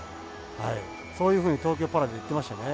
そういうふうに東京パラで言ってましたね。